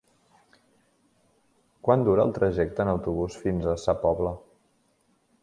Quant dura el trajecte en autobús fins a Sa Pobla?